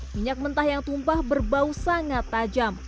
minyak mentah yang tumpah berbau sangat tajam